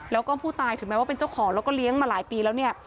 แล้วก็ผู้ตายถึงแม้ว่าเป็นเจ้าของแล้วก็เลี้ยงมาหลายปีแล้วเนี่ย